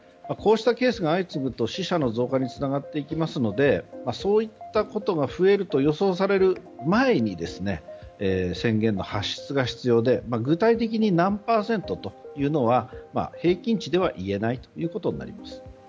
こうしたケースが相次ぐと死者の増加につながっていきますのでそういったことが増えると予想される前に宣言の発出が必要で具体的に何パーセントというのは平均値では言えないということになります。